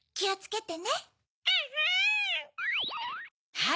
はい！